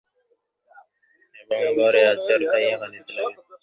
এবং ঘরে আছাড় খাইয়া কাঁদিতে লাগিলেন।